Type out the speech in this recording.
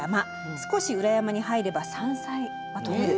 少し裏山に入れば山菜が採れる。